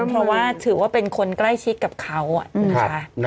เพราะว่าถือว่าเป็นคนใกล้ชิดกับเขานะคะ